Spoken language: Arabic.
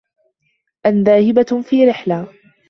أن ذاهبة في رحلة.